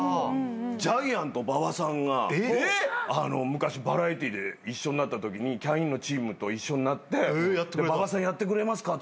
ジャイアント馬場さんが昔バラエティーで一緒になったときにキャインのチームと一緒になって「馬場さんやってくれますか？」